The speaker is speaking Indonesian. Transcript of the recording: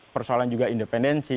persoalan juga independensi